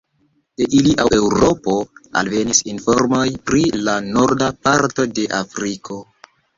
De ili al Eŭropo alvenis informoj pri la norda parto de Afriko.